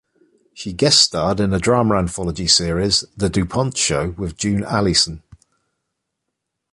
She guest starred in the drama anthology series, "The DuPont Show with June Allyson".